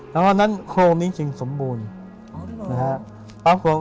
เพราะฉะนั้นโครงนี้จึงสมบูรณ์